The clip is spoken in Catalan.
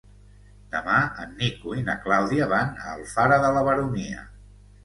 Demà en Nico i na Clàudia van a Alfara de la Baronia.